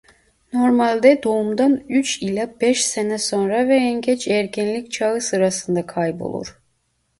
Normalde doğumdan üç ila beş sene sonra ve en geç ergenlik çağı sırasında kaybolur.